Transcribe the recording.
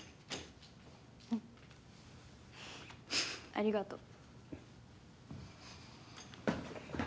ありがとう。